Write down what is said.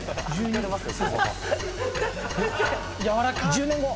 １０年後。